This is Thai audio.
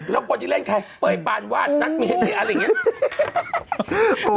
แล้วคนที่เล่นเปิดบานว่านนักเมียรกอะไรอย่างนี้